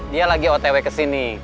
dia lagi otw kesini